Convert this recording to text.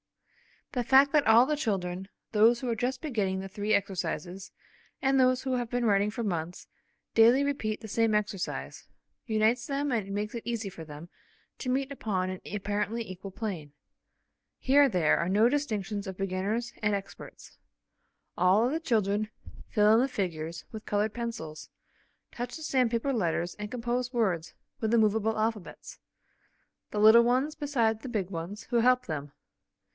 The fact that all the children, those who are just beginning the three exercises and those who have been writing for months, daily repeat the same exercise, unites them and makes it easy for them to meet upon an apparently equal plane. Here there are no distinctions of beginners, and experts. All of the children fill in the figures with coloured pencils, touch the sandpaper letters and compose words with the movable alphabets; the little ones beside the big ones who help them.